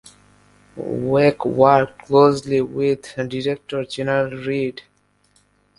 Wake worked closely with Director-General Reed.